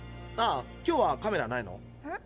ああ今日はカメラないの？